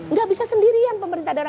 nggak bisa sendirian pemerintah daerah